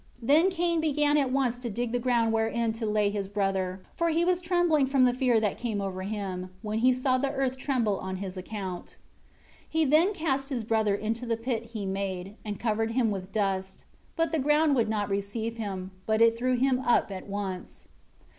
11 Then Cain began at once to dig the ground wherein to lay his brother; for he was trembling from the fear that came over him, when he saw the earth tremble on his account. 12 He then cast his brother into the pit he made, and covered him with dust. But the ground would not receive him; but it threw him up at once.